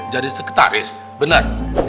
jadi sekretaris bener